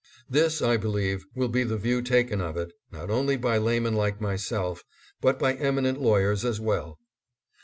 This, I believe, will be the view taken of it, not only by laymen like myself, but by eminent lawyers as well.